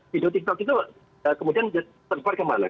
video tiktok itu kemudian terbuat ke mana